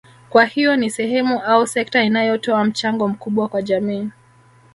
Kwa hiyo ni sehemu au sekta inayotoa mchango mkubwa kwa jamii